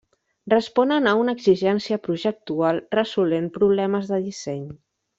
Responen a una exigència projectual resolent problemes de disseny.